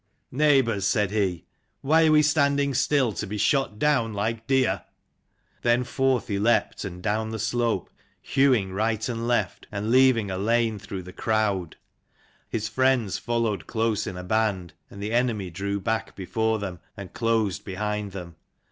"Neighbours," said he, "why are we stand ing still to be shot down like deer ?" Then forth he leapt, and down the slope, hewing right and left, and leaving a lane through the crowd. His friends followed close in a band, and the enemy drew back before them, and closed behind them.